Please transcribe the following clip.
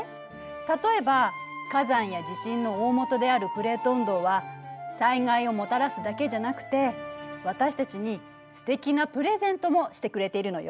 例えば火山や地震の大本であるプレート運動は災害をもたらすだけじゃなくて私たちにすてきなプレゼントもしてくれているのよ。